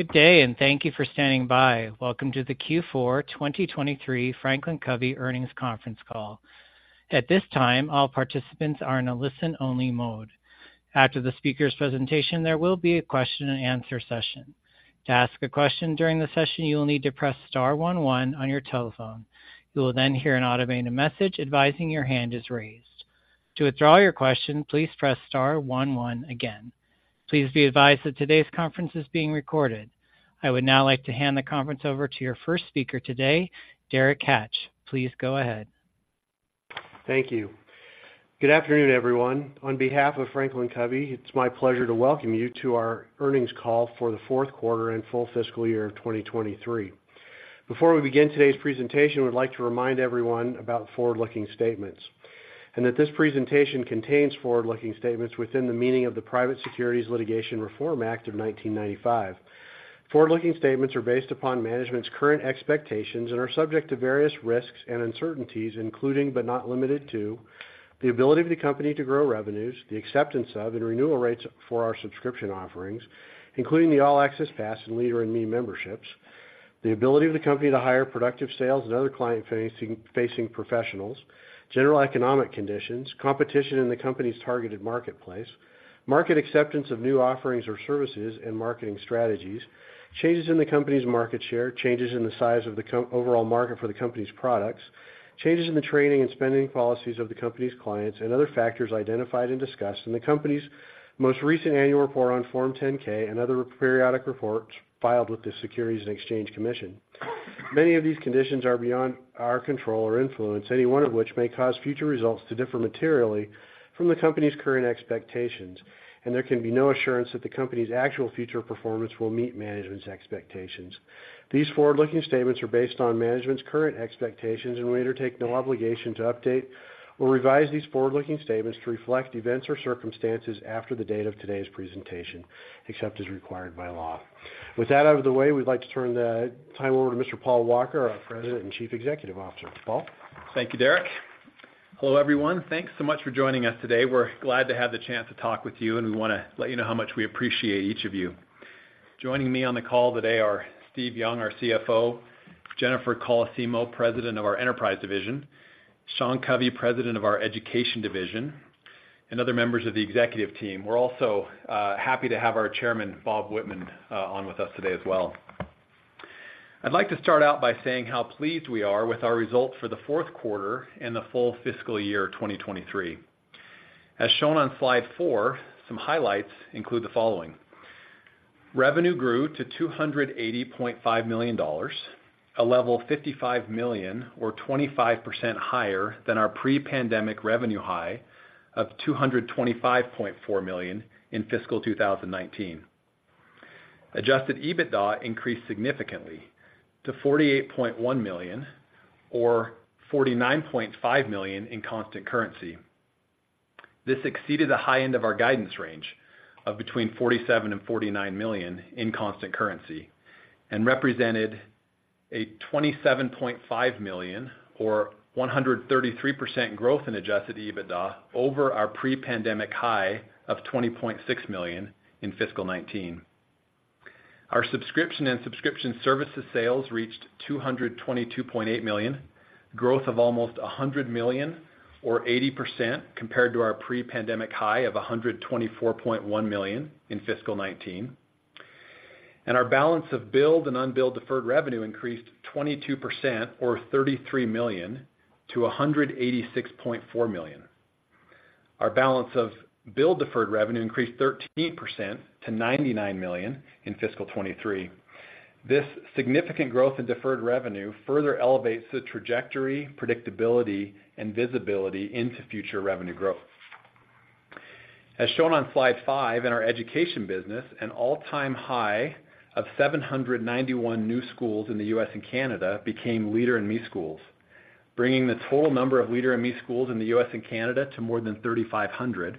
Good day, and thank you for standing by. Welcome to the Q4 2023 FranklinCovey Earnings Conference Call. At this time, all participants are in a listen-only mode. After the speaker's presentation, there will be a question-and-answer session. To ask a question during the session, you will need to press star one one on your telephone. You will then hear an automated message advising your hand is raised. To withdraw your question, please press star one one again. Please be advised that today's conference is being recorded. I would now like to hand the conference over to your first speaker today, Derek Hatch. Please go ahead. Thank you. Good afternoon, everyone. On behalf of FranklinCovey, it's my pleasure to welcome you to our earnings call for the fourth quarter and full fiscal year of 2023. Before we begin today's presentation, we'd like to remind everyone about forward-looking statements and that this presentation contains forward-looking statements within the meaning of the Private Securities Litigation Reform Act of 1995. Forward-looking statements are based upon management's current expectations and are subject to various risks and uncertainties, including, but not limited to, the ability of the company to grow revenues, the acceptance of and renewal rates for our subscription offerings, including the All Access Pass and Leader in Me memberships, the ability of the company to hire productive sales and other client-facing professionals, general economic conditions, competition in the company's targeted marketplace, market acceptance of new offerings or services and marketing strategies, changes in the company's market share, changes in the size of the overall market for the company's products, changes in the training and spending policies of the company's clients, and other factors identified and discussed in the company's most recent annual report on Form 10-K and other periodic reports filed with the Securities and Exchange Commission. Many of these conditions are beyond our control or influence, any one of which may cause future results to differ materially from the company's current expectations, and there can be no assurance that the company's actual future performance will meet management's expectations. These forward-looking statements are based on management's current expectations and we undertake no obligation to update or revise these forward-looking statements to reflect events or circumstances after the date of today's presentation, except as required by law. With that out of the way, we'd like to turn the time over to Mr. Paul Walker, our President and Chief Executive Officer. Paul? Thank you, Derek. Hello, everyone. Thanks so much for joining us today. We're glad to have the chance to talk with you, and we wanna let you know how much we appreciate each of you. Joining me on the call today are Steve Young, our CFO, Jennifer Colosimo, President of our Enterprise division, Sean Covey, President of our Education division, and other members of the executive team. We're also happy to have our Chairman, Bob Whitman, on with us today as well. I'd like to start out by saying how pleased we are with our results for the fourth quarter and the full fiscal year 2023. As shown on slide four, some highlights include the following: Revenue grew to $280.5 million, a level $55 million, or 25% higher than our pre-pandemic revenue high of $225.4 million in fiscal 2019. Adjusted EBITDA increased significantly to $48.1 million or $49.5 million in constant currency. This exceeded the high end of our guidance range of between $47 million and $49 million in constant currency and represented a $27.5 million or 133% growth in adjusted EBITDA over our pre-pandemic high of $20.6 million in fiscal 2019. Our subscription and subscription services sales reached $222.8 million, growth of almost $100 million or 80% compared to our pre-pandemic high of $124.1 million in fiscal 2019. Our balance of billed and unbilled deferred revenue increased 22% or $33 million-$186.4 million. Our balance of billed deferred revenue increased 13% to $99 million in fiscal 2023. This significant growth in deferred revenue further elevates the trajectory, predictability, and visibility into future revenue growth. As shown on slide five, in our education business, an all-time high of 791 new schools in the U.S. and Canada became Leader in Me schools, bringing the total number of Leader in Me schools in the U.S. and Canada to more than 3,500,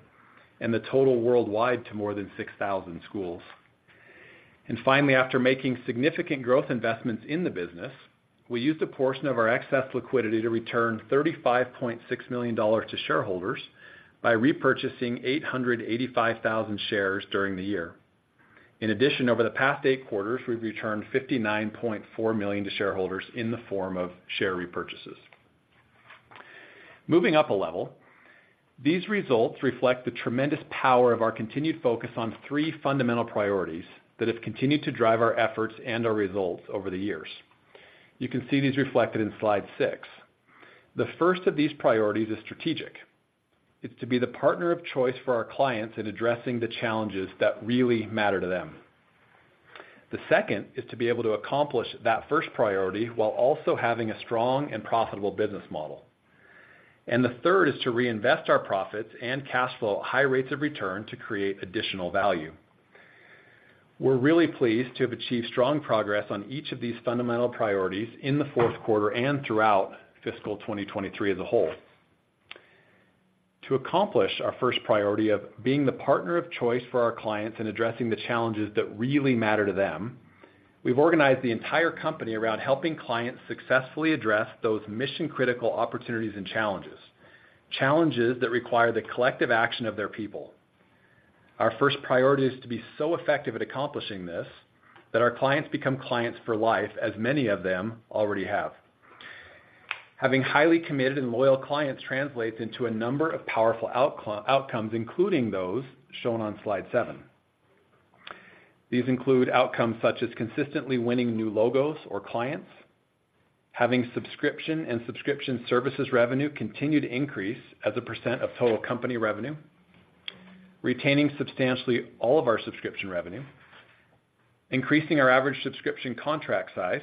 and the total worldwide to more than 6,000 schools. And finally, after making significant growth investments in the business, we used a portion of our excess liquidity to return $35.6 million to shareholders by repurchasing 885,000 shares during the year. In addition, over the past eight quarters, we've returned $59.4 million to shareholders in the form of share repurchases. Moving up a level, these results reflect the tremendous power of our continued focus on three fundamental priorities that have continued to drive our efforts and our results over the years. You can see these reflected in slide six. The first of these priorities is strategic. It's to be the partner of choice for our clients in addressing the challenges that really matter to them. The second is to be able to accomplish that first priority, while also having a strong and profitable business model. The third is to reinvest our profits and cash flow at high rates of return to create additional value. We're really pleased to have achieved strong progress on each of these fundamental priorities in the fourth quarter and throughout fiscal 2023 as a whole. To accomplish our first priority of being the partner of choice for our clients in addressing the challenges that really matter to them. We've organized the entire company around helping clients successfully address those mission-critical opportunities and challenges, challenges that require the collective action of their people. Our first priority is to be so effective at accomplishing this, that our clients become clients for life, as many of them already have. Having highly committed and loyal clients translates into a number of powerful outcomes, including those shown on slide seven. These include outcomes such as consistently winning new logos or clients, having subscription and subscription services revenue continue to increase as a percent of total company revenue, retaining substantially all of our subscription revenue, increasing our average subscription contract size,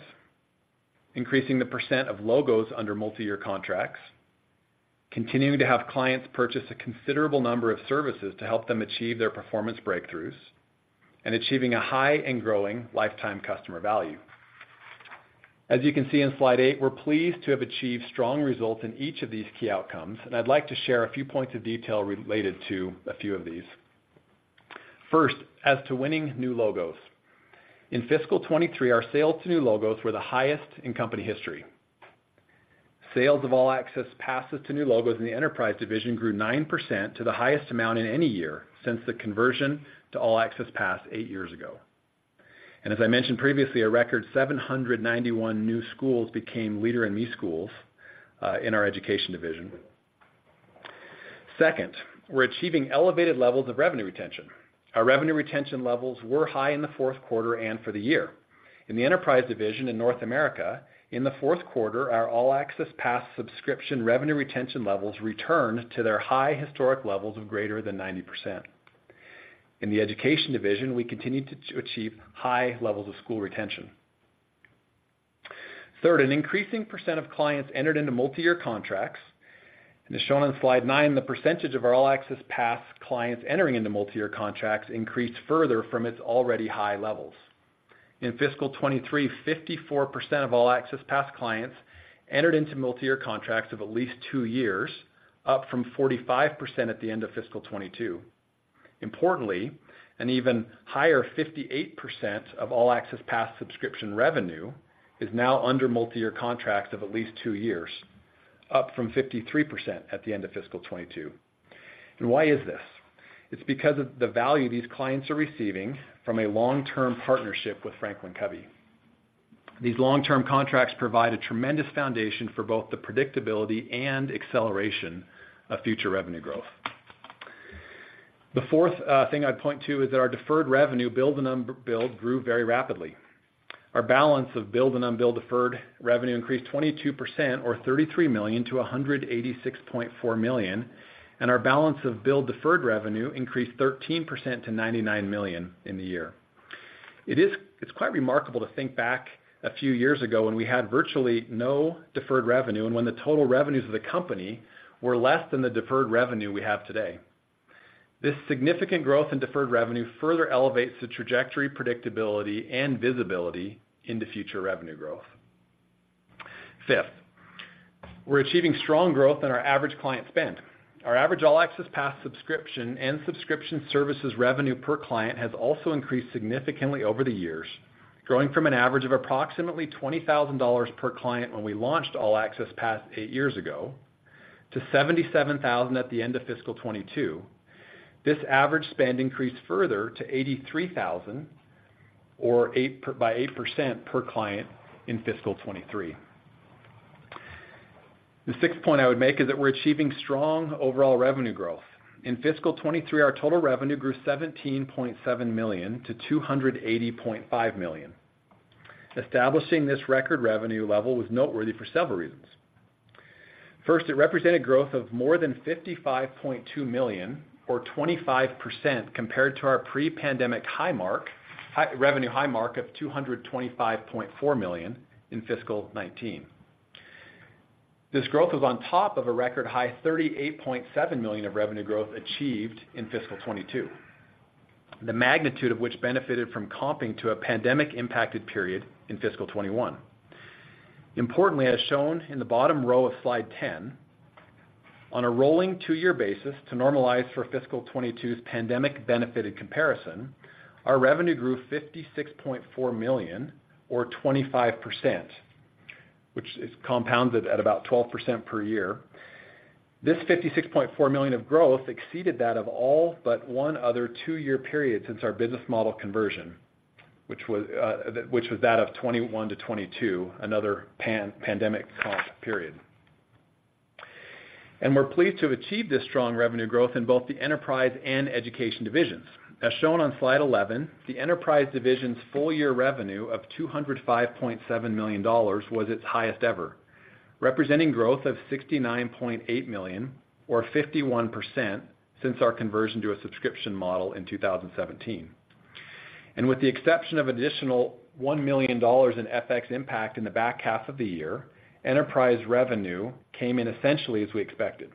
increasing the perecent of logos under multi-year contracts, continuing to have clients purchase a considerable number of services to help them achieve their performance breakthroughs, and achieving a high and growing lifetime customer value. As you can see in slide eight, we're pleased to have achieved strong results in each of these key outcomes, and I'd like to share a few points of detail related to a few of these. First, as to winning new logos. In fiscal 2023, our sales to new logos were the highest in company history. Sales of All Access Passes to new logos in the enterprise division grew 9% to the highest amount in any year since the conversion to All Access Pass eight years ago. And as I mentioned previously, a record 791 new schools became Leader in Me schools in our education division. Second, we're achieving elevated levels of revenue retention. Our revenue retention levels were high in the fourth quarter and for the year. In the enterprise division in North America, in the fourth quarter, our All Access Pass subscription revenue retention levels returned to their high historic levels of greater than 90%. In the education division, we continued to achieve high levels of school retention. Third, an increasing percent of clients entered into multi-year contracts, and as shown on slide nine, the percentage of our All Access Pass clients entering into multi-year contracts increased further from its already high levels. In fiscal 2023, 54% of All Access Pass clients entered into multi-year contracts of at least two years, up from 45% at the end of fiscal 2022. Importantly, an even higher 58% of All Access Pass subscription revenue is now under multi-year contracts of at least two years, up from 53% at the end of fiscal 2022. And why is this? It's because of the value these clients are receiving from a long-term partnership with FranklinCovey. These long-term contracts provide a tremendous foundation for both the predictability and acceleration of future revenue growth. The fourth thing I'd point to is that our deferred revenue billed and unbilled grew very rapidly. Our balance of billed and unbilled deferred revenue increased 22% or $33 million-$186.4 million, and our balance of billed deferred revenue increased 13% to $99 million in the year. It's quite remarkable to think back a few years ago when we had virtually no deferred revenue, and when the total revenues of the company were less than the deferred revenue we have today. This significant growth in deferred revenue further elevates the trajectory, predictability, and visibility into future revenue growth. Fifth, we're achieving strong growth in our average client spend. Our average All Access Pass subscription and subscription services revenue per client has also increased significantly over the years, growing from an average of approximately $20,000 per client when we launched All Access Pass eight years ago, to $77,000 at the end of fiscal 2022. This average spend increased further to $83,000 or by 8% percent per client in fiscal 2023. The sixth point I would make is that we're achieving strong overall revenue growth. In fiscal 2023, our total revenue grew $17.7 million-$280.5 million. Establishing this record revenue level was noteworthy for several reasons. First, it represented growth of more than $55.2 million or 25% compared to our pre-pandemic high revenue high mark of $225.4 million in fiscal 2019. This growth is on top of a record high $38.7 million of revenue growth achieved in fiscal 2022. The magnitude of which benefited from comping to a pandemic-impacted period in fiscal 2021. Importantly, as shown in the bottom row of slide 10, on a rolling two-year basis to normalize for fiscal 2022's pandemic-benefited comparison, our revenue grew $56.4 million or 25%, which is compounded at about 12% per year. This $56.4 million of growth exceeded that of all but one other two-year period since our business model conversion, which was that of 2021 to 2022, another pandemic comp period. We're pleased to have achieved this strong revenue growth in both the enterprise and education divisions. As shown on slide 11, the enterprise division's full year revenue of $205.7 million was its highest ever, representing growth of $69.8 million or 51% since our conversion to a subscription model in 2017. With the exception of additional $1 million in FX impact in the back half of the year, enterprise revenue came in essentially as we expected.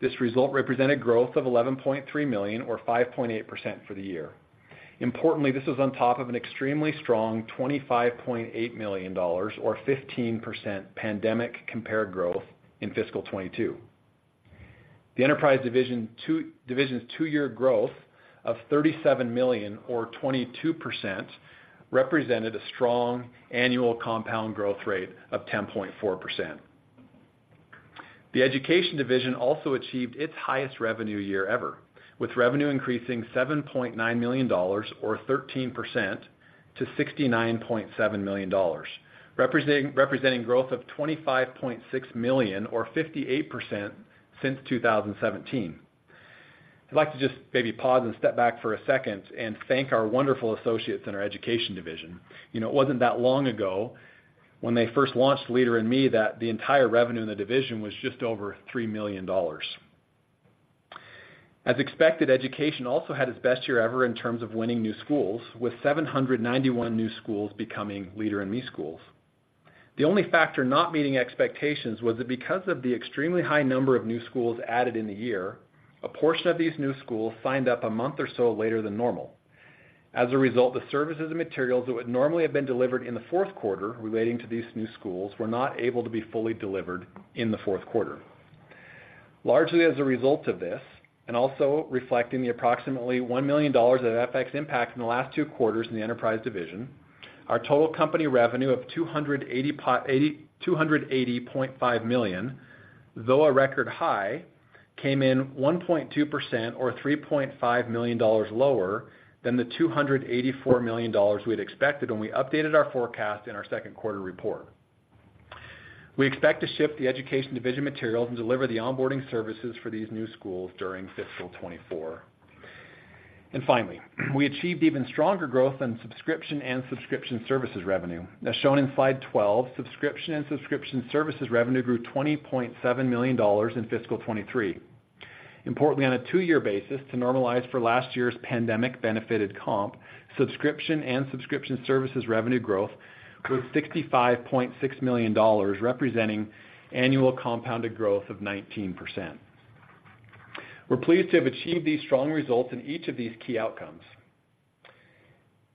This result represented growth of $11.3 million or 5.8% for the year. Importantly, this is on top of an extremely strong $25.8 million or 15% pandemic-compared growth in fiscal 2022. The enterprise division's two-year growth of $37 million or 22%, represented a strong annual compound growth rate of 10.4%. The education division also achieved its highest revenue year ever, with revenue increasing $7.9 million or 13% to $69.7 million, representing growth of $25.6 million or 58% since 2017. I'd like to just maybe pause and step back for a second and thank our wonderful associates in our education division. You know, it wasn't that long ago when they first launched Leader in Me, that the entire revenue in the division was just over $3 million. As expected, education also had its best year ever in terms of winning new schools, with 791 new schools becoming Leader in Me schools. The only factor not meeting expectations was that because of the extremely high number of new schools added in the year, a portion of these new schools signed up a month or so later than normal. As a result, the services and materials that would normally have been delivered in the fourth quarter relating to these new schools were not able to be fully delivered in the fourth quarter. Largely as a result of this, and also reflecting the approximately $1 million of FX impact in the last two quarters in the enterprise division, our total company revenue of $280.5 million, though a record high, came in 1.2% or $3.5 million lower than the $284 million we'd expected when we updated our forecast in our second quarter report. We expect to ship the education division materials and deliver the onboarding services for these new schools during fiscal 2024. And finally, we achieved even stronger growth in subscription and subscription services revenue. As shown in slide 12, subscription and subscription services revenue grew $20.7 million in fiscal 2023. Importantly, on a two-year basis, to normalize for last year's pandemic-benefited comp, subscription and subscription services revenue growth was $65.6 million, representing annual compounded growth of 19%. We're pleased to have achieved these strong results in each of these key outcomes.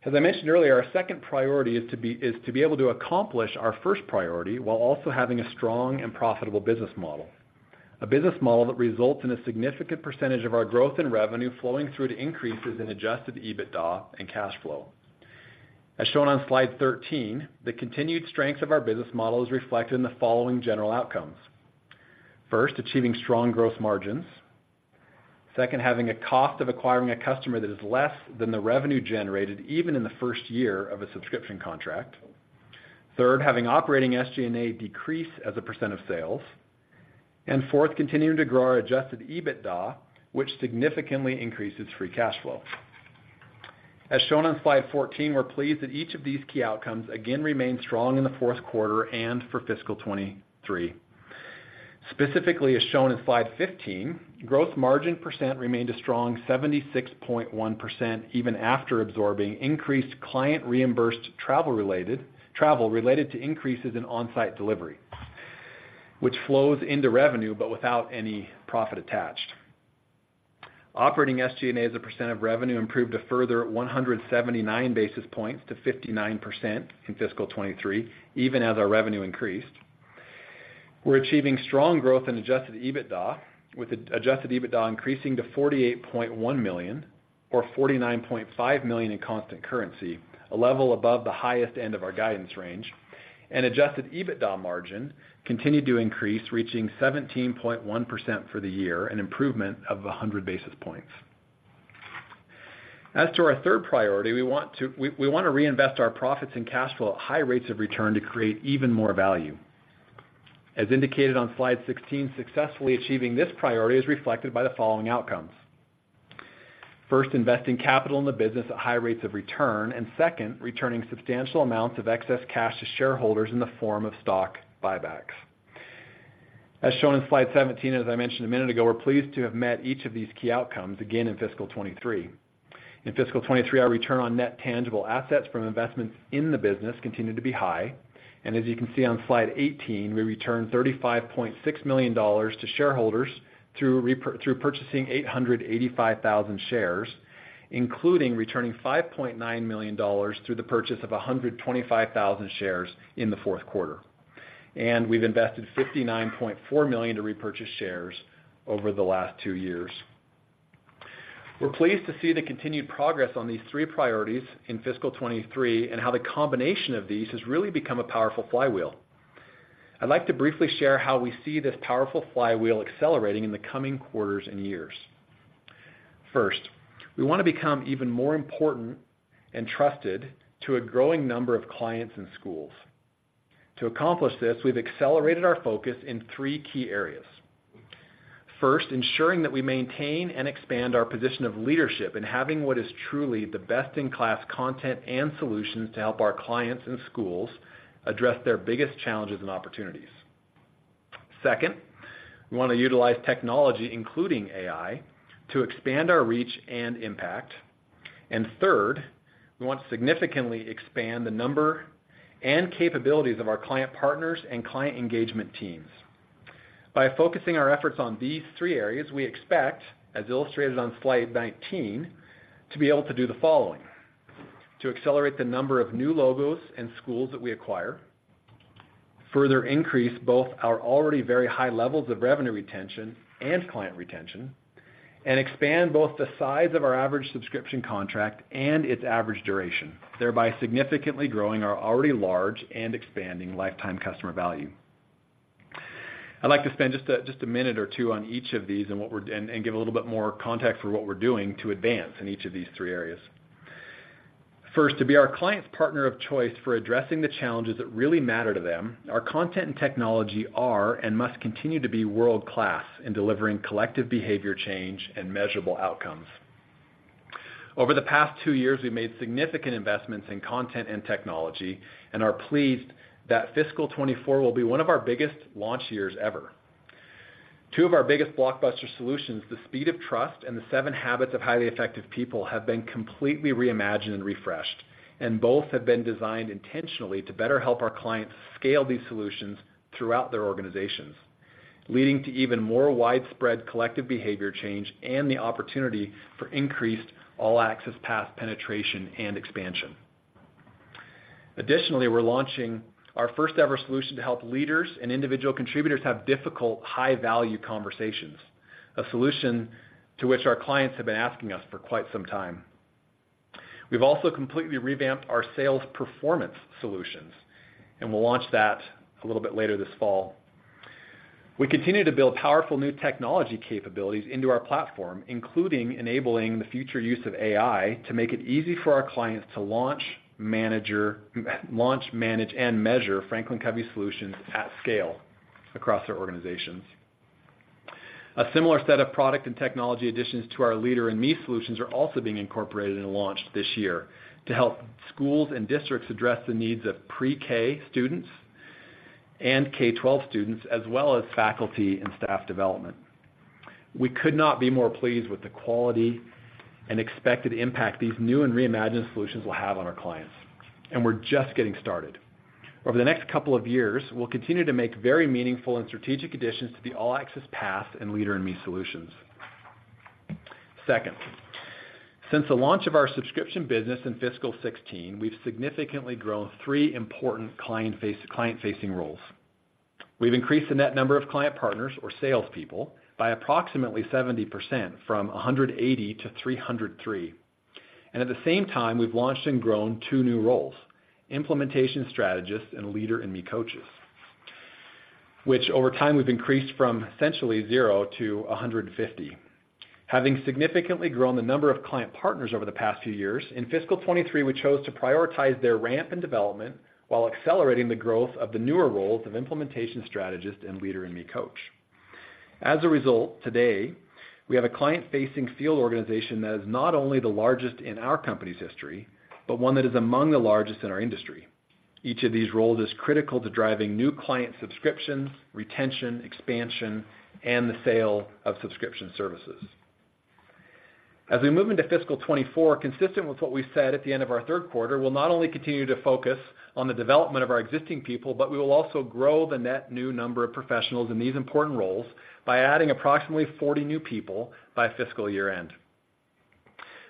As I mentioned earlier, our second priority is to be able to accomplish our first priority, while also having a strong and profitable business model. A business model that results in a significant percentage of our growth in revenue flowing through to increases in Adjusted EBITDA and cash flow. As shown on slide 13, the continued strength of our business model is reflected in the following general outcomes. First, achieving strong gross margins. Second, having a cost of acquiring a customer that is less than the revenue generated even in the first year of a subscription contract. Third, having operating SG&A decrease as a percent of sales. Fourth, continuing to grow our Adjusted EBITDA, which significantly increases free cash flow. As shown on slide 14, we're pleased that each of these key outcomes again remained strong in the fourth quarter and for fiscal 2023. Specifically, as shown on slide 15, gross margin percent remained a strong 76.1%, even after absorbing increased client reimbursed travel-related travel related to increases in onsite delivery, which flows into revenue, but without any profit attached. Operating SG&A as a percent of revenue improved a further 179 basis points to 59% in fiscal 2023, even as our revenue increased. We're achieving strong growth in Adjusted EBITDA, with Adjusted EBITDA increasing to $48.1 million or $49.5 million in constant currency, a level above the highest end of our guidance range. Adjusted EBITDA margin continued to increase, reaching 17.1% for the year, an improvement of 100 basis points. As to our third priority, we want to reinvest our profits and cash flow at high rates of return to create even more value. As indicated on slide 16, successfully achieving this priority is reflected by the following outcomes. First, investing capital in the business at high rates of return, and second, returning substantial amounts of excess cash to shareholders in the form of stock buybacks. As shown in slide 17, as I mentioned a minute ago, we're pleased to have met each of these key outcomes again in fiscal 2023. In fiscal 2023, our return on net tangible assets from investments in the business continued to be high, and as you can see on slide 18, we returned $35.6 million to shareholders through purchasing 885,000 shares, including returning $5.9 million through the purchase of 125,000 shares in the fourth quarter. We've invested $59.4 million to repurchase shares over the last two years. We're pleased to see the continued progress on these three priorities in fiscal 2023, and how the combination of these has really become a powerful flywheel. I'd like to briefly share how we see this powerful flywheel accelerating in the coming quarters and years. First, we want to become even more important and trusted to a growing number of clients and schools. To accomplish this, we've accelerated our focus in three key areas. First, ensuring that we maintain and expand our position of leadership in having what is truly the best-in-class content and solutions to help our clients and schools address their biggest challenges and opportunities. Second, we want to utilize technology, including AI, to expand our reach and impact. And third, we want to significantly expand the number and capabilities of our client partners and client engagement teams. By focusing our efforts on these three areas, we expect, as illustrated on slide 19, to be able to do the following: to accelerate the number of new logos and schools that we acquire, further increase both our already very high levels of revenue retention and client retention, and expand both the size of our average subscription contract and its average duration, thereby significantly growing our already large and expanding lifetime customer value. I'd like to spend just a, just a minute or two on each of these, and give a little bit more context for what we're doing to advance in each of these three areas. First, to be our client's partner of choice for addressing the challenges that really matter to them, our content and technology are, and must continue to be world-class in delivering collective behavior change and measurable outcomes. Over the past two years, we've made significant investments in content and technology, and are pleased that fiscal 2024 will be one of our biggest launch years ever. Two of our biggest blockbuster solutions, The Speed of Trust and The 7 Habits of Highly Effective People, have been completely reimagined and refreshed, and both have been designed intentionally to better help our clients scale these solutions throughout their organizations, leading to even more widespread collective behavior change and the opportunity for increased All Access Pass penetration and expansion. Additionally, we're launching our first-ever solution to help leaders and individual contributors have difficult, high-value conversations, a solution to which our clients have been asking us for quite some time. We've also completely revamped our sales performance solutions, and we'll launch that a little bit later this fall. We continue to build powerful new technology capabilities into our platform, including enabling the future use of AI, to make it easy for our clients to launch, manage, and measure FranklinCovey solutions at scale across their organizations. A similar set of product and technology additions to our Leader in Me solutions are also being incorporated and launched this year to help schools and districts address the needs of pre-K students and K-12 students, as well as faculty and staff development. We could not be more pleased with the quality and expected impact these new and reimagined solutions will have on our clients, and we're just getting started. Over the next couple of years, we'll continue to make very meaningful and strategic additions to the All Access Pass and Leader in Me solutions. Second, since the launch of our subscription business in fiscal 2016, we've significantly grown three important client-face, client-facing roles. We've increased the net number of client partners or salespeople by approximately 70%, from 180 to 303. At the same time, we've launched and grown two new roles: Implementation Strategists and Leader in Me Coaches, which over time, we've increased from essentially zero to 150. Having significantly grown the number of Client Partners over the past few years, in fiscal 2023, we chose to prioritize their ramp and development while accelerating the growth of the newer roles of Implementation Strategist and Leader in Me Coach. As a result, today, we have a client-facing field organization that is not only the largest in our company's history, but one that is among the largest in our industry. Each of these roles is critical to driving new client subscriptions, retention, expansion, and the sale of subscription services. As we move into fiscal 2024, consistent with what we said at the end of our third quarter, we'll not only continue to focus on the development of our existing people, but we will also grow the net new number of professionals in these important roles by adding approximately 40 new people by fiscal year-end.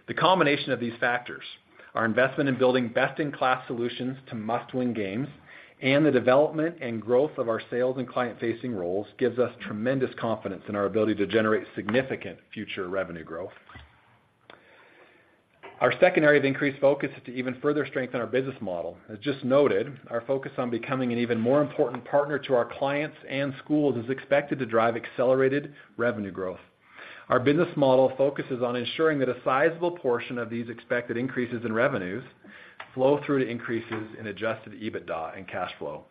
The combination of these factors, our investment in building best-in-class solutions to must-win games, and the development and growth of our sales and client-facing roles, gives us tremendous confidence in our ability to generate significant future revenue growth. Our second area of increased focus is to even further strengthen our business model. As just noted, our focus on becoming an even more important partner to our clients and schools is expected to drive accelerated revenue growth. Our business model focuses on ensuring that a sizable portion of these expected increases in revenues flow through to increases in Adjusted EBITDA and cash flow.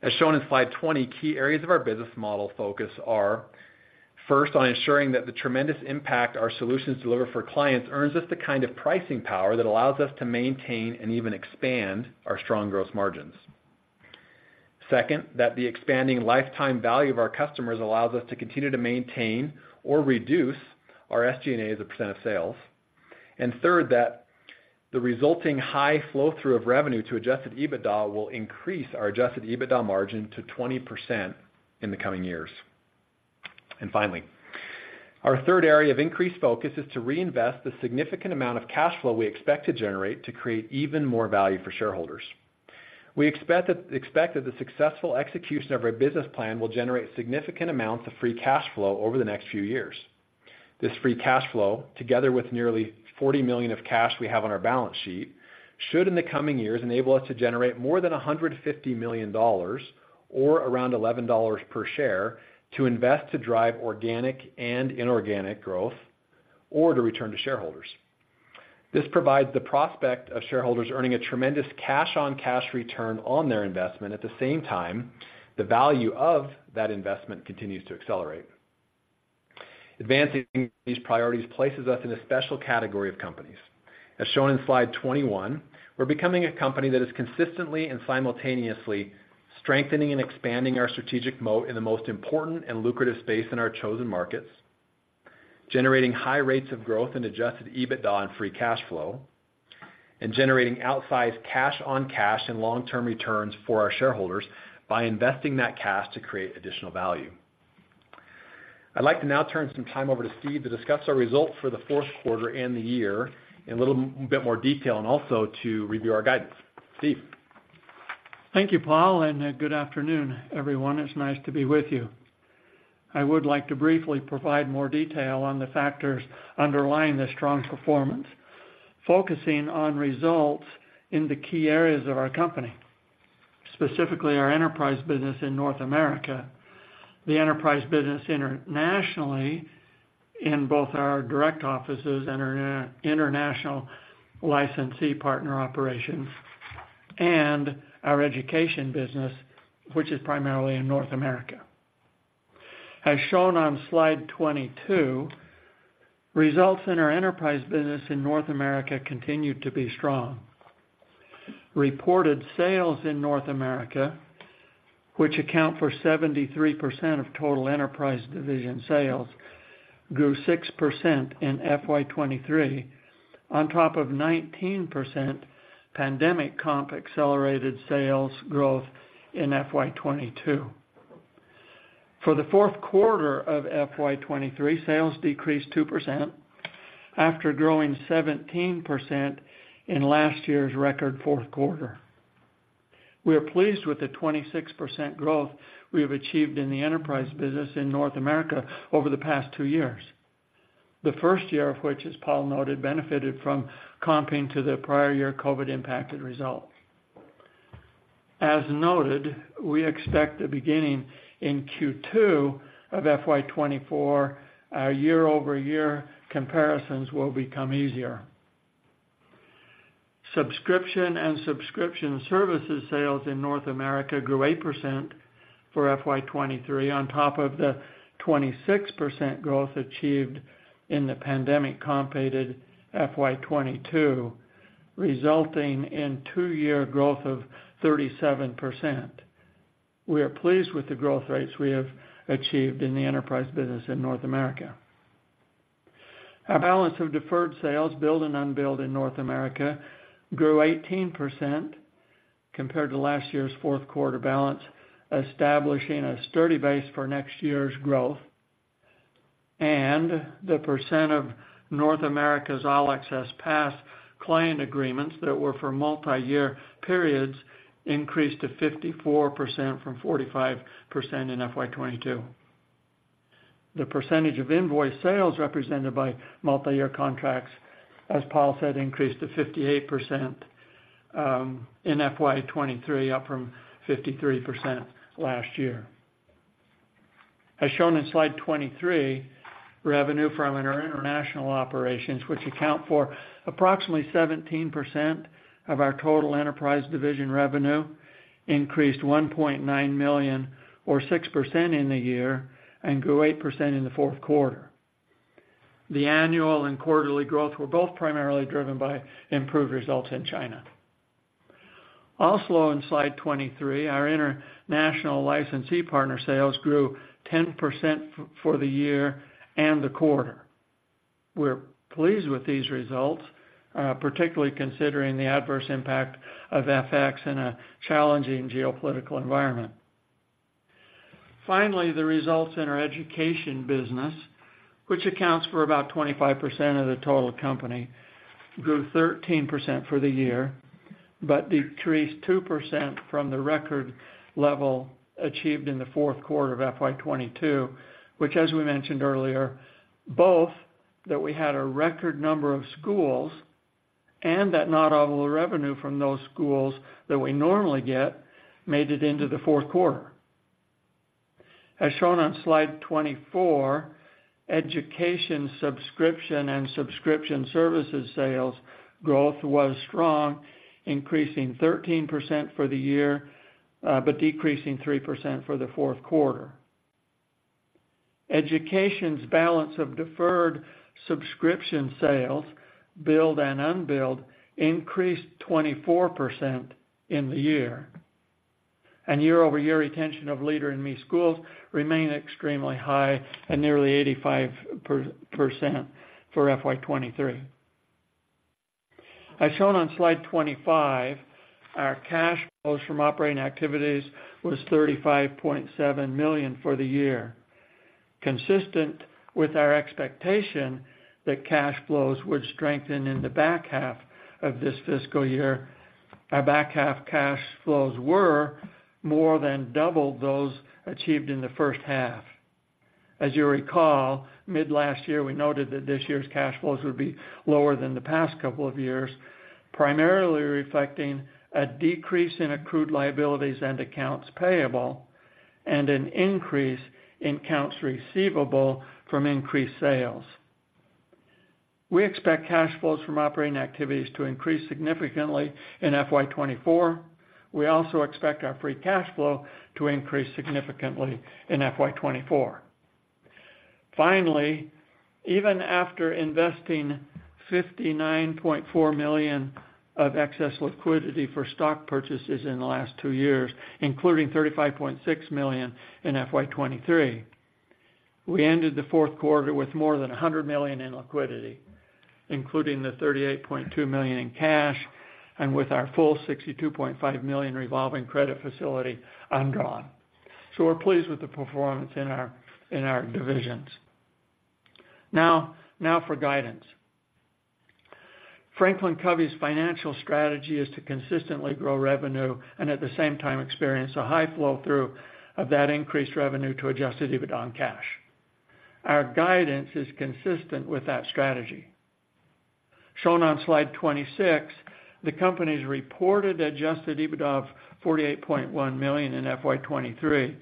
As shown in slide 20, key areas of our business model focus are, first, on ensuring that the tremendous impact our solutions deliver for clients earns us the kind of pricing power that allows us to maintain and even expand our strong growth margins. Second, that the expanding lifetime value of our customers allows us to continue to maintain or reduce our SG&A as a percent of sales. And third, that the resulting high flow-through of revenue to Adjusted EBITDA will increase our Adjusted EBITDA margin to 20% in the coming years. And finally, our third area of increased focus is to reinvest the significant amount of cash flow we expect to generate to create even more value for shareholders. We expect that the successful execution of our business plan will generate significant amounts of free cash flow over the next few years. This free cash flow, together with nearly $40 million of cash we have on our balance sheet, should, in the coming years, enable us to generate more than $150 million, or around $11 per share, to invest to drive organic and inorganic growth, or to return to shareholders. This provides the prospect of shareholders earning a tremendous cash-on-cash return on their investment. At the same time, the value of that investment continues to accelerate. Advancing these priorities places us in a special category of companies. As shown in slide 21, we're becoming a company that is consistently and simultaneously strengthening and expanding our strategic moat in the most important and lucrative space in our chosen markets, generating high rates of growth in Adjusted EBITDA and free cash flow, and generating outsized cash-on-cash and long-term returns for our shareholders by investing that cash to create additional value. I'd like to now turn some time over to Steve to discuss our results for the fourth quarter and the year in a little bit more detail, and also to review our guidance. Steve? Thank you, Paul, and good afternoon, everyone. It's nice to be with you. I would like to briefly provide more detail on the factors underlying this strong performance, focusing on results in the key areas of our company, specifically our enterprise business in North America, the enterprise business internationally, in both our direct offices and our international licensee partner operations, and our education business, which is primarily in North America. As shown on slide 22, results in our enterprise business in North America continued to be strong. Reported sales in North America, which account for 73% of total enterprise division sales, grew 6% in FY 2023, on top of 19% pandemic comp accelerated sales growth in FY 2022. For the fourth quarter of FY 2023, sales decreased 2% after growing 17% in last year's record fourth quarter. We are pleased with the 26% growth we have achieved in the enterprise business in North America over the past two years. The first year of which, as Paul noted, benefited from comping to the prior year COVID-impacted results. As noted, we expect the beginning in Q2 of FY 2024, our year-over-year comparisons will become easier. Subscription and subscription services sales in North America grew 8% for FY 2023, on top of the 26% growth achieved in the pandemic-impacted FY 2022, resulting in two-year growth of 37%. We are pleased with the growth rates we have achieved in the enterprise business in North America. Our balance of deferred revenue, billed and unbilled, in North America grew 18% compared to last year's fourth quarter balance, establishing a sturdy base for next year's growth. The percent of North America's All Access Pass client agreements that were for multiyear periods increased to 54% from 45% in FY 2022. The percentage of invoice sales represented by multiyear contracts, as Paul said, increased to 58% in FY 2023, up from 53% last year. As shown in slide 23, revenue from our international operations, which account for approximately 17% of our total enterprise division revenue, increased $1.9 million, or 6% in the year, and grew 8% in the fourth quarter. The annual and quarterly growth were both primarily driven by improved results in China. Also, on slide 23, our international licensee partner sales grew 10% for the year and the quarter. We're pleased with these results, particularly considering the adverse impact of FX in a challenging geopolitical environment. Finally, the results in our education business, which accounts for about 25% of the total company, grew 13% for the year, but decreased 2% from the record level achieved in the fourth quarter of FY 2022, which, as we mentioned earlier, both that we had a record number of schools and that not all the revenue from those schools that we normally get made it into the fourth quarter. As shown on slide 24, education subscription and subscription services sales growth was strong, increasing 13% for the year, but decreasing 3% for the fourth quarter. Education's balance of deferred subscription sales, billed and unbilled, increased 24% in the year, and year-over-year retention of Leader in Me schools remain extremely high at nearly 85% for FY 2023. As shown on slide 25, our cash flows from operating activities was $35.7 million for the year. Consistent with our expectation that cash flows would strengthen in the back half of this fiscal year, our back half cash flows were more than double those achieved in the first half. As you recall, mid-last year, we noted that this year's cash flows would be lower than the past couple of years, primarily reflecting a decrease in accrued liabilities and accounts payable, and an increase in accounts receivable from increased sales. We expect cash flows from operating activities to increase significantly in FY 2024. We also expect our free cash flow to increase significantly in FY 2024. Finally, even after investing $59.4 million of excess liquidity for stock purchases in the last two years, including $35.6 million in FY 2023, we ended the fourth quarter with more than $100 million in liquidity, including the $38.2 million in cash, and with our full $62.5 million revolving credit facility undrawn. So we're pleased with the performance in our, in our divisions. Now, for guidance. FranklinCovey's financial strategy is to consistently grow revenue, and at the same time, experience a high flow-through of that increased revenue to adjusted EBITDA and cash. Our guidance is consistent with that strategy. Shown on slide 26, the company's reported adjusted EBITDA of $48.1 million in FY 2023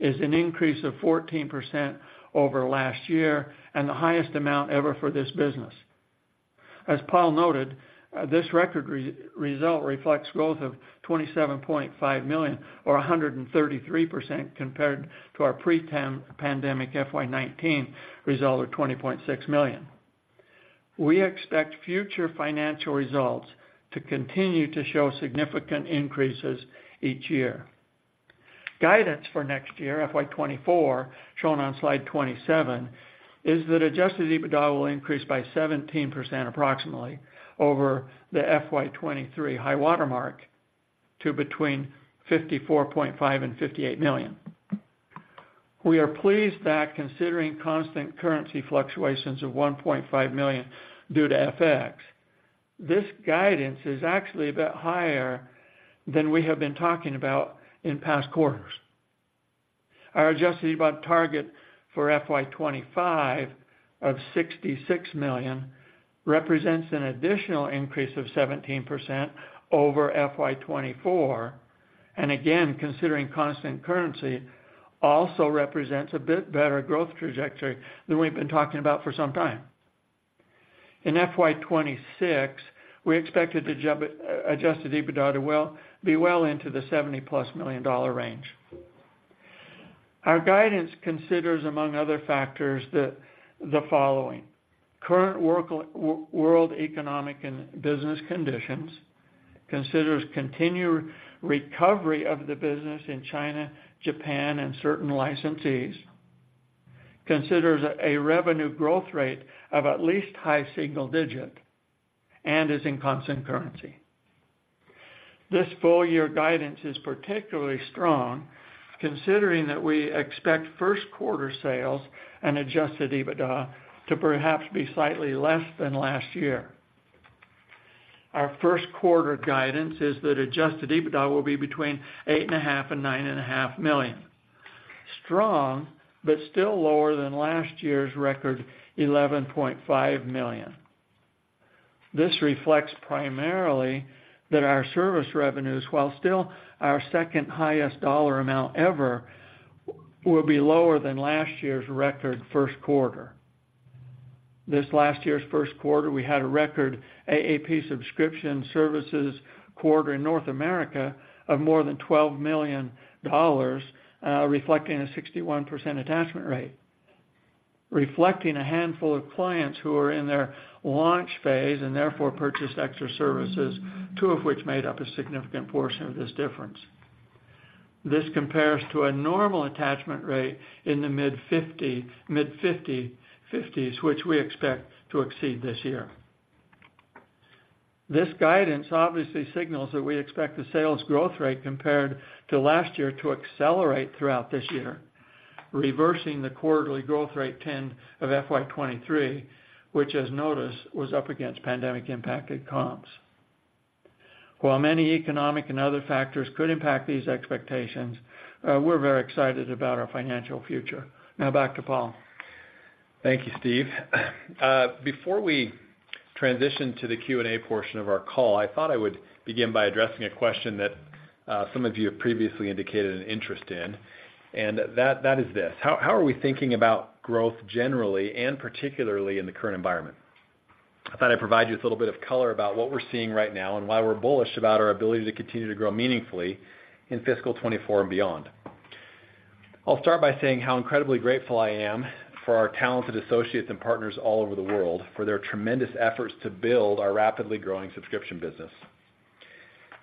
is an increase of 14% over last year and the highest amount ever for this business. As Paul noted, this record result reflects growth of $27.5 million or 133% compared to our pre-pandemic FY 2019 result of $20.6 million. We expect future financial results to continue to show significant increases each year. Guidance for next year, FY 2024, shown on slide 27, is that Adjusted EBITDA will increase by 17% approximately over the FY 2023 high water mark to between $54.5 million and $58 million. We are pleased that considering constant currency fluctuations of $1.5 million due to FX, this guidance is actually a bit higher than we have been talking about in past quarters. Our adjusted EBITDA target for FY 2025 of $66 million represents an additional increase of 17% over FY 2024, and again, considering constant currency, also represents a bit better growth trajectory than we've been talking about for some time. In FY 2026, we expected the adjusted EBITDA to be well into the $70+ million range. Our guidance considers, among other factors, the following: current world economic and business conditions, considers continued recovery of the business in China, Japan, and certain licensees, considers a revenue growth rate of at least high single-digit, and is in constant currency. This full year guidance is particularly strong, considering that we expect first quarter sales and adjusted EBITDA to perhaps be slightly less than last year. Our first quarter guidance is that Adjusted EBITDA will be between $8.5 million and $9.5 million. Strong, but still lower than last year's record $11.5 million. This reflects primarily that our service revenues, while still our second highest dollar amount ever, will be lower than last year's record first quarter. This last year's first quarter, we had a record AAP subscription services quarter in North America of more than $12 million, reflecting a 61% attachment rate. Reflecting a handful of clients who are in their launch phase and therefore purchased extra services, two of which made up a significant portion of this difference. This compares to a normal attachment rate in the mid-50s, which we expect to exceed this year. This guidance obviously signals that we expect the sales growth rate compared to last year to accelerate throughout this year, reversing the quarterly growth rate trend of FY 2023, which as noticed, was up against pandemic-impacted comps. While many economic and other factors could impact these expectations, we're very excited about our financial future. Now, back to Paul. Thank you, Steve. Before we transition to the Q&A portion of our call, I thought I would begin by addressing a question that some of you have previously indicated an interest in, and that is this: How are we thinking about growth generally and particularly in the current environment? I thought I'd provide you with a little bit of color about what we're seeing right now and why we're bullish about our ability to continue to grow meaningfully in fiscal 2024 and beyond. I'll start by saying how incredibly grateful I am for our talented associates and partners all over the world for their tremendous efforts to build our rapidly growing subscription business.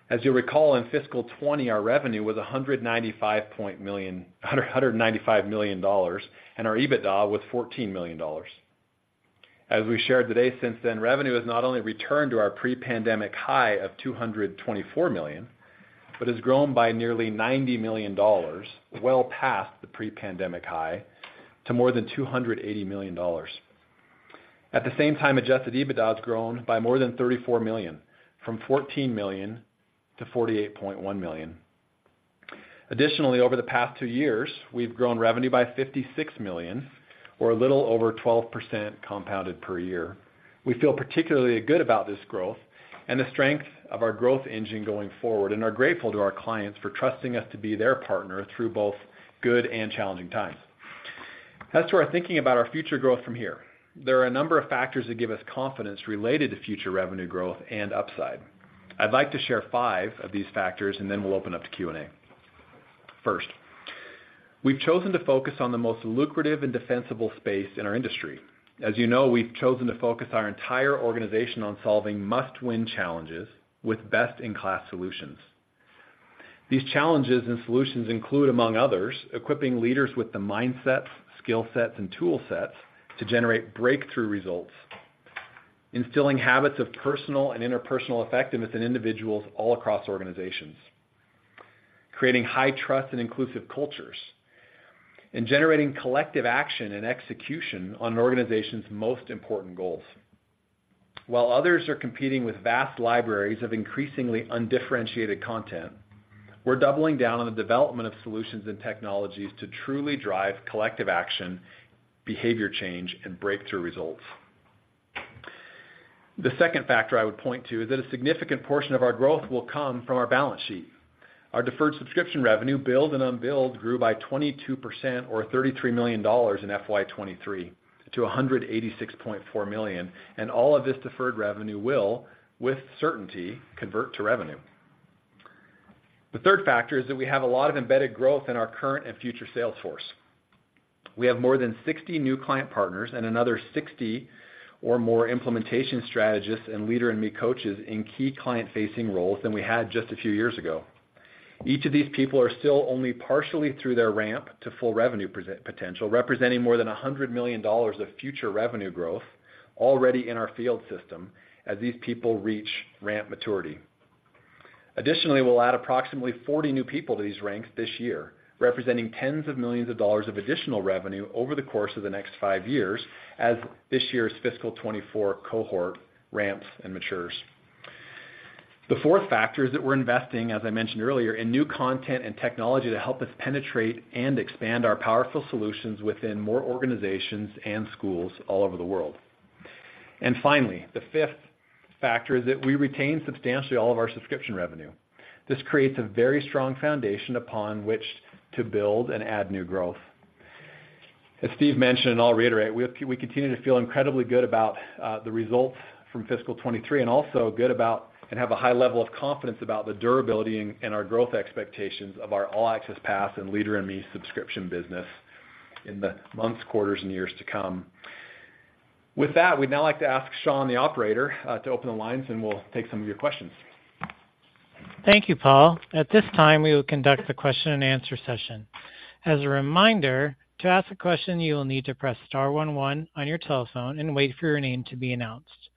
As you'll recall, in fiscal 2020, our revenue was $195 million, and our EBITDA was $14 million. As we shared today, since then, revenue has not only returned to our pre-pandemic high of $224 million, but has grown by nearly $90 million, well past the pre-pandemic high, to more than $280 million. At the same time, Adjusted EBITDA has grown by more than $34 million, from $14 million-$48.1 million. Additionally, over the past two years, we've grown revenue by $56 million or a little over 12% compounded per year. We feel particularly good about this growth and the strength of our growth engine going forward, and are grateful to our clients for trusting us to be their partner through both good and challenging times. As to our thinking about our future growth from here, there are a number of factors that give us confidence related to future revenue growth and upside. I'd like to share five of these factors, and then we'll open up to Q&A. First, we've chosen to focus on the most lucrative and defensible space in our industry. As you know, we've chosen to focus our entire organization on solving must-win challenges with best-in-class solutions. These challenges and solutions include, among others, equipping leaders with the mindsets, skill sets, and tool sets to generate breakthrough results, instilling habits of personal and interpersonal effectiveness in individuals all across organizations, creating high trust and inclusive cultures, and generating collective action and execution on an organization's most important goals. While others are competing with vast libraries of increasingly undifferentiated content, we're doubling down on the development of solutions and technologies to truly drive collective action, behavior change, and breakthrough results. The second factor I would point to is that a significant portion of our growth will come from our balance sheet. Our deferred subscription revenue, billed and unbilled, grew by 22% or $33 million in FY 2023 to $186.4 million, and all of this deferred revenue will, with certainty, convert to revenue. The third factor is that we have a lot of embedded growth in our current and future sales force. We have more than 60 new client partners and another 60 or more implementation strategists and Leader in Me coaches in key client-facing roles than we had just a few years ago. Each of these people are still only partially through their ramp to full revenue potential, representing more than $100 million of future revenue growth already in our field system as these people reach ramp maturity. Additionally, we'll add approximately 40 new people to these ranks this year, representing tens of millions of dollars of additional revenue over the course of the next five years, as this year's fiscal 2024 cohort ramps and matures. The fourth factor is that we're investing, as I mentioned earlier, in new content and technology to help us penetrate and expand our powerful solutions within more organizations and schools all over the world. Finally, the fifth factor is that we retain substantially all of our subscription revenue. This creates a very strong foundation upon which to build and add new growth. As Steve mentioned, and I'll reiterate, we continue to feel incredibly good about the results from fiscal 2023, and also good about, and have a high level of confidence about the durability and our growth expectations of our All Access Pass and Leader in Me subscription business in the months, quarters, and years to come. With that, we'd now like to ask Sean, the operator, to open the lines, and we'll take some of your questions. Thank you, Paul. At this time, we will conduct the question and answer session. As a reminder, to ask a question, you will need to press star one one on your telephone and wait for your name to be announced.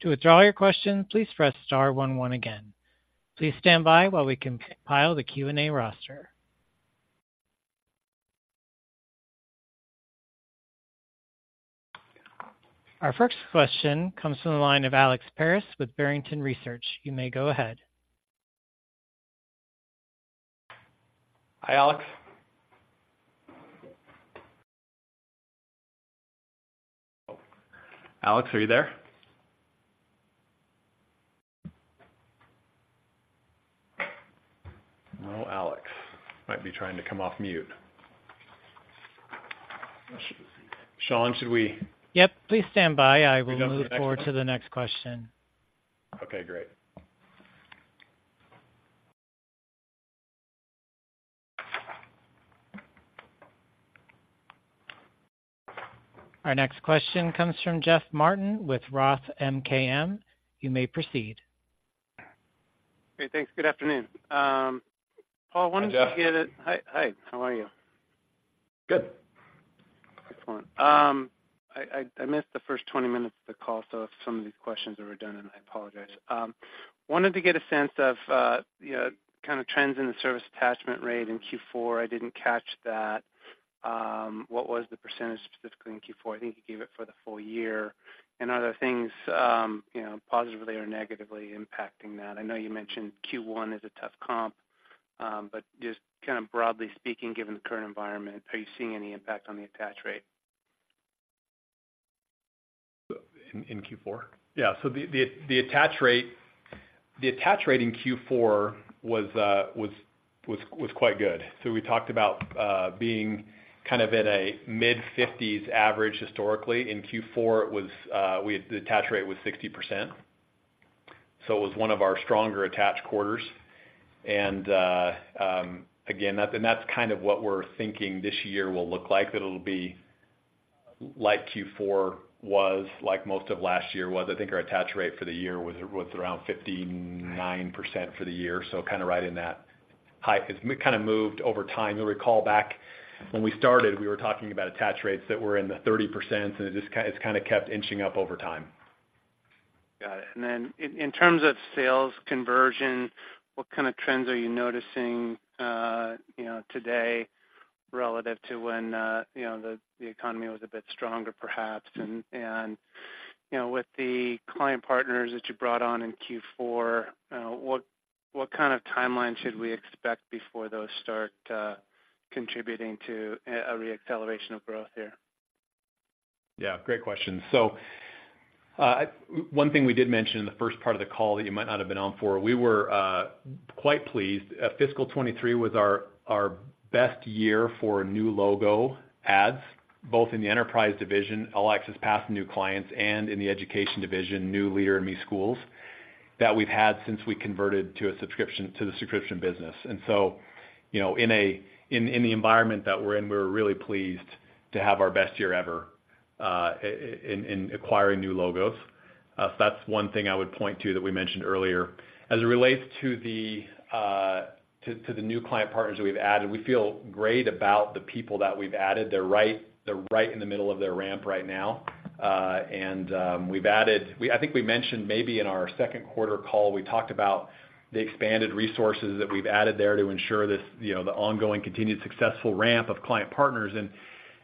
To withdraw your question, please press star one one again. Please stand by while we compile the Q&A roster. Our first question comes from the line of Alex Paris with Barrington Research. You may go ahead. Hi, Alex. Alex, are you there? Well, Alex might be trying to come off mute. Sean, should we- Yep, please stand by. I will move forward to the next question. Okay, great. Our next question comes from Jeff Martin with Roth MKM. You may proceed. Hey, thanks. Good afternoon. Paul, wanted to get it- Hi, Jeff. Hi. Hi, how are you? Good. Excellent. I missed the first 20 minutes of the call, so if some of these questions are redundant, I apologize. Wanted to get a sense of, you know, kind of trends in the service attachment rate in Q4. I didn't catch that. What was the percentage specifically in Q4? I think you gave it for the full year. Are there things, you know, positively or negatively impacting that? I know you mentioned Q1 is a tough comp, but just kind of broadly speaking, given the current environment, are you seeing any impact on the attach rate? In Q4? Yeah. So the attach rate in Q4 was quite good. So we talked about being kind of at a mid-50s average historically. In Q4, it was the attach rate was 60%, so it was one of our stronger attach quarters. And, again, that - and that's kind of what we're thinking this year will look like, that it'll be like Q4 was, like most of last year was. I think our attach rate for the year was around 59% for the year, so kind of right in that high. It's kind of moved over time. You'll recall back when we started, we were talking about attach rates that were in the 30%, and it just - it's kind of kept inching up over time. Got it. And then in terms of sales conversion, what kind of trends are you noticing, you know, today, relative to when, you know, the economy was a bit stronger, perhaps? And, you know, with the client partners that you brought on in Q4, what kind of timeline should we expect before those start contributing to a re-acceleration of growth here? Yeah, great question. So, one thing we did mention in the first part of the call that you might not have been on for, we were quite pleased. Fiscal 2023 was our best year for new logo adds, both in the enterprise division, All Access Pass new clients and in the education division, new Leader in Me schools, that we've had since we converted to the subscription business. And so, you know, in the environment that we're in, we're really pleased to have our best year ever in acquiring new logos. So that's one thing I would point to that we mentioned earlier. As it relates to the new client partners that we've added, we feel great about the people that we've added. They're right, they're right in the middle of their ramp right now. We've added. I think we mentioned maybe in our second quarter call, we talked about the expanded resources that we've added there to ensure this, you know, the ongoing, continued successful ramp of client partners. And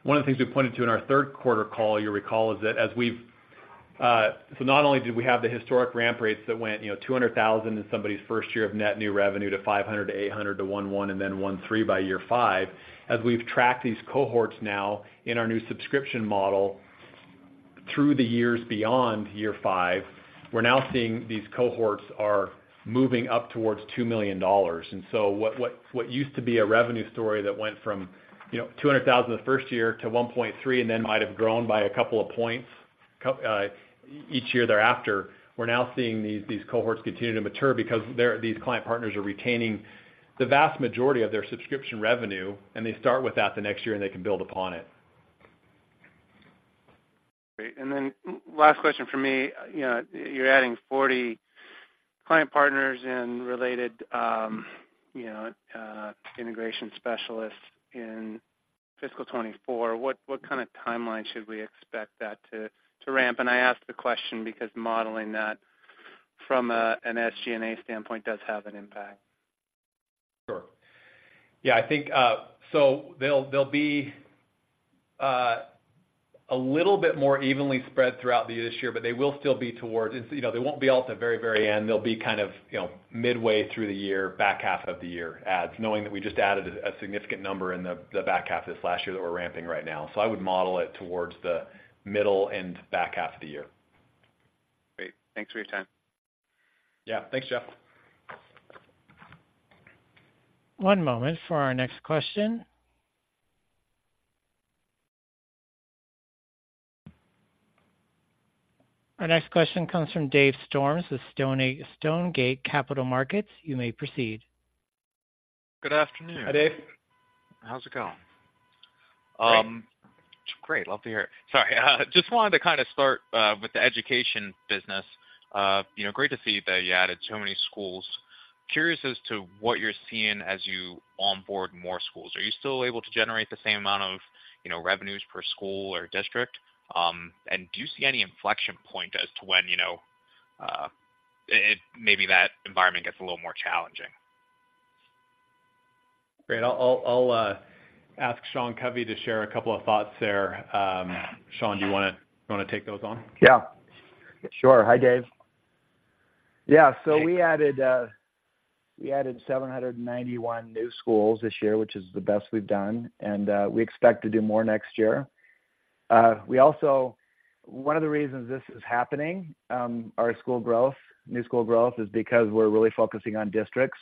one of the things we pointed to in our third quarter call, you'll recall, is that so not only did we have the historic ramp rates that went, you know, $200,000 in somebody's first year of net new revenue to $500,000-$800,000 to $1.1 million, and then $1.3 million by year five. As we've tracked these cohorts now in our new subscription model through the years beyond year five, we're now seeing these cohorts are moving up towards $2 million. What used to be a revenue story that went from, you know, $200,000 the first year to $1.3 million, and then might have grown by a couple of points each year thereafter, we're now seeing these cohorts continue to mature because these client partners are retaining the vast majority of their subscription revenue, and they start with that the next year, and they can build upon it. Great. And then last question for me. You know, you're adding 40 client partners and related, you know, integration specialists in fiscal 2024. What kind of timeline should we expect that to ramp? And I ask the question because modeling that from an SG&A standpoint does have an impact. Sure. Yeah, I think, so they'll, they'll be a little bit more evenly spread throughout the year this year, but they will still be towards... It's, you know, they won't be all at the very, very end. They'll be kind of, you know, midway through the year, back half of the year adds, knowing that we just added a significant number in the back half this last year that we're ramping right now. So I would model it towards the middle and back half of the year. Great. Thanks for your time. Yeah. Thanks, Jeff. One moment for our next question. Our next question comes from Dave Storms with Stonegate Capital Markets. You may proceed. Good afternoon. Hi, Dave. How's it going? Great. Great, love to hear it. Sorry, just wanted to kind of start with the education business. You know, great to see that you added so many schools. Curious as to what you're seeing as you onboard more schools. Are you still able to generate the same amount of, you know, revenues per school or district? And do you see any inflection point as to when, you know, it maybe that environment gets a little more challenging? Great. I'll ask Sean Covey to share a couple of thoughts there. Sean, do you wanna take those on? Yeah. Sure. Hi, Dave. Yeah, so we added 791 new schools this year, which is the best we've done, and we expect to do more next year. We also, one of the reasons this is happening, our school growth, new school growth, is because we're really focusing on districts.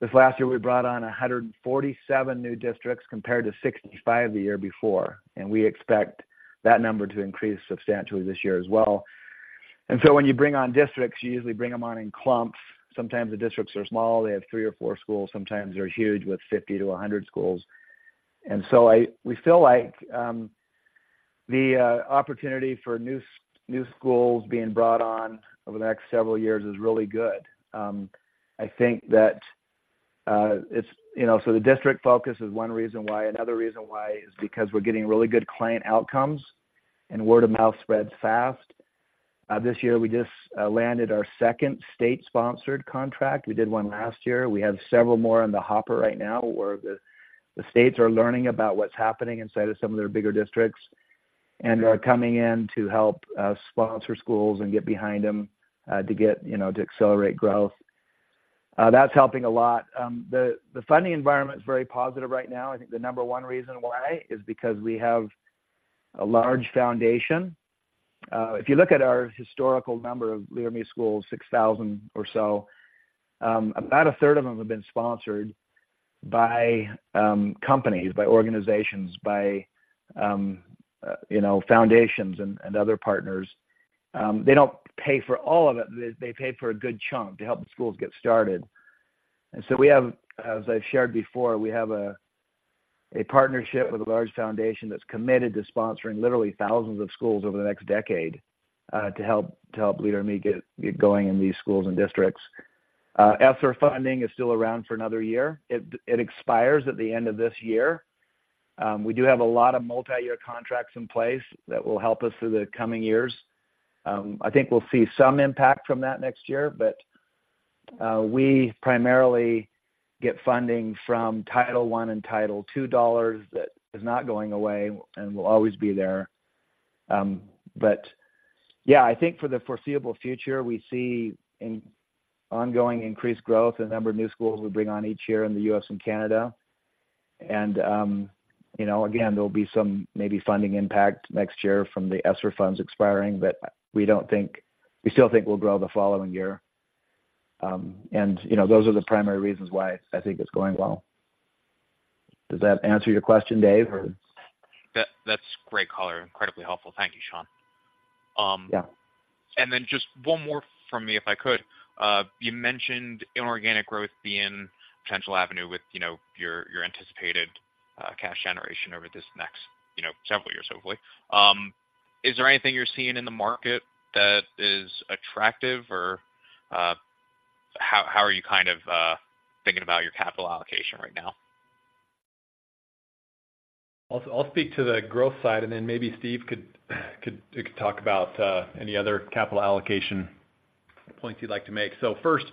This last year, we brought on 147 new districts, compared to 65 the year before, and we expect that number to increase substantially this year as well. And so when you bring on districts, you usually bring them on in clumps. Sometimes the districts are small, they have three or four schools, sometimes they're huge, with 50-100 schools. And so we feel like the opportunity for new schools being brought on over the next several years is really good. I think that it's, you know, so the district focus is one reason why. Another reason why is because we're getting really good client outcomes, and word of mouth spreads fast. This year, we just landed our second state-sponsored contract. We did one last year. We have several more in the hopper right now, where the states are learning about what's happening inside of some of their bigger districts, and are coming in to help sponsor schools and get behind them to get, you know, to accelerate growth. That's helping a lot. The funding environment is very positive right now. I think the number one reason why is because we have a large foundation. If you look at our historical number of Leader in Me schools, 6,000 or so, about a third of them have been sponsored by companies, by organizations, by you know, foundations and other partners. They don't pay for all of it, they pay for a good chunk to help the schools get started. And so we have, as I've shared before, a partnership with a large foundation that's committed to sponsoring literally thousands of schools over the next decade to help Leader in Me get going in these schools and districts. ESSER funding is still around for another year. It expires at the end of this year. We do have a lot of multi-year contracts in place that will help us through the coming years. I think we'll see some impact from that next year, but we primarily get funding from Title I and Title II dollars that is not going away and will always be there. But yeah, I think for the foreseeable future, we see an ongoing increased growth in the number of new schools we bring on each year in the U.S. and Canada. And you know, again, there'll be some maybe funding impact next year from the ESSER funds expiring, but we don't think- we still think we'll grow the following year. And you know, those are the primary reasons why I think it's going well. Does that answer your question, Dave? That's great color. Incredibly helpful. Thank you, Sean. Then just one more from me, if I could. You mentioned inorganic growth being potential avenue with, you know, your, your anticipated, cash generation over this next, you know, several years, hopefully. Is there anything you're seeing in the market that is attractive? Or, how, how are you kind of, thinking about your capital allocation right now? I'll speak to the growth side, and then maybe Steve could talk about any other capital allocation points you'd like to make. So first,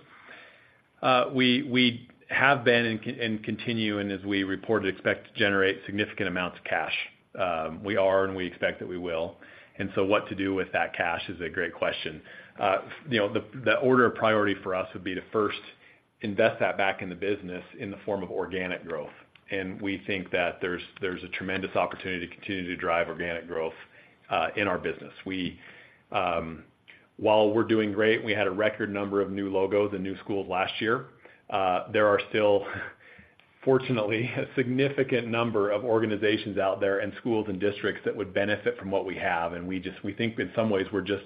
we have been and continue, and as we reported, expect to generate significant amounts of cash. We are, and we expect that we will. And so what to do with that cash is a great question. You know, the order of priority for us would be to first invest that back in the business in the form of organic growth, and we think that there's a tremendous opportunity to continue to drive organic growth in our business. While we're doing great, we had a record number of new logos and new schools last year. There are still, fortunately, a significant number of organizations out there and schools and districts that would benefit from what we have, and we just, we think in some ways, we're just,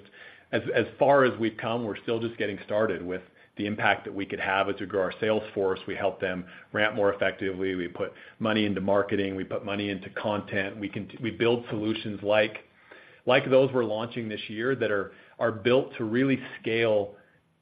as far as we've come, we're still just getting started with the impact that we could have as we grow our sales force. We help them ramp more effectively. We put money into marketing, we put money into content. We build solutions like those we're launching this year, that are built to really scale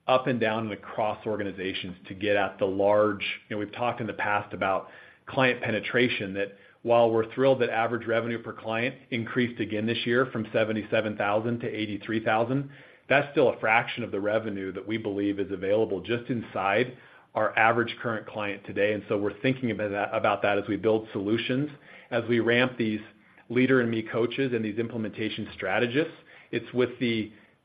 up and down and across organizations to get at the large. You know, we've talked in the past about client penetration, that while we're thrilled that average revenue per client increased again this year from $77,000-$83,000, that's still a fraction of the revenue that we believe is available just inside our average current client today. And so we're thinking about that as we build solutions, as we ramp these Leader in Me coaches and these implementation strategists, it's with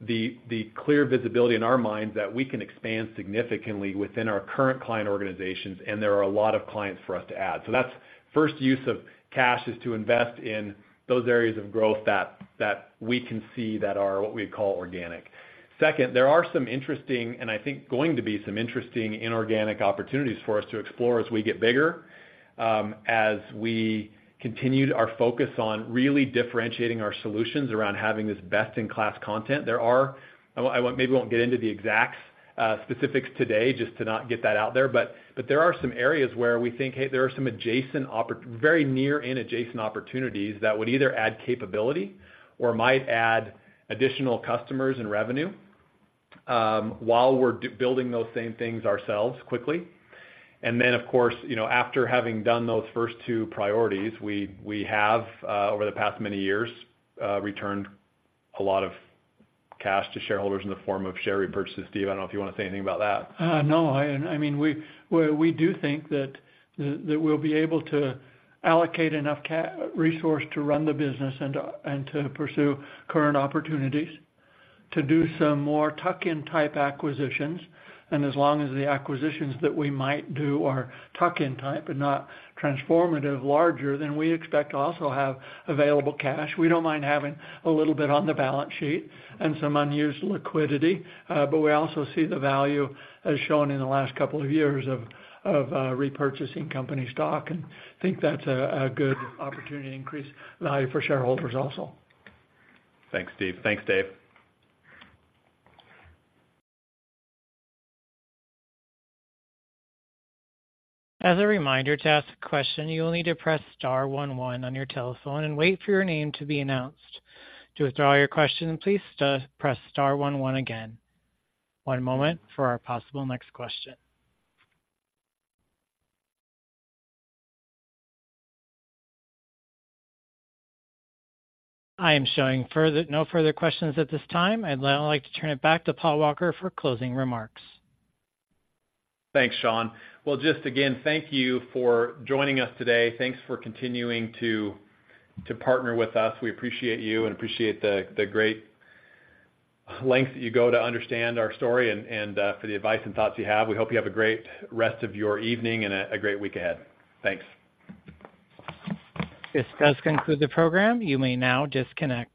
the clear visibility in our minds that we can expand significantly within our current client organizations, and there are a lot of clients for us to add. So that's first use of cash, is to invest in those areas of growth that we can see that are what we call organic. Second, there are some interesting, and I think going to be some interesting inorganic opportunities for us to explore as we get bigger. As we continued our focus on really differentiating our solutions around having this best-in-class content, there are I maybe won't get into the exact specifics today just to not get that out there, but there are some areas where we think, hey, there are some adjacent very near and adjacent opportunities that would either add capability or might add additional customers and revenue, while we're building those same things ourselves quickly. And then, of course, you know, after having done those first two priorities, we have, over the past many years, returned a lot of cash to shareholders in the form of share repurchases. Steve, I don't know if you wanna say anything about that. No, I mean, we do think that we'll be able to allocate enough resources to run the business and to pursue current opportunities to do some more tuck-in type acquisitions. And as long as the acquisitions that we might do are tuck-in type and not transformative, larger, then we expect to also have available cash. We don't mind having a little bit on the balance sheet and some unused liquidity, but we also see the value as shown in the last couple of years of repurchasing company stock, and think that's a good opportunity to increase value for shareholders also. Thanks, Steve. Thanks, Dave. As a reminder, to ask a question, you will need to press star one one on your telephone and wait for your name to be announced. To withdraw your question, please press star one one again. One moment for our possible next question. I am showing no further questions at this time. I'd now like to turn it back to Paul Walker for closing remarks. Thanks, Sean. Well, just again, thank you for joining us today. Thanks for continuing to, to partner with us. We appreciate you and appreciate the, the great lengths that you go to understand our story and, and, for the advice and thoughts you have. We hope you have a great rest of your evening and a, a great week ahead. Thanks. This does conclude the program. You may now disconnect.